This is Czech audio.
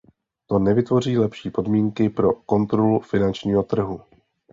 To nevytvoří lepší podmínky pro kontrolu finančního trhu.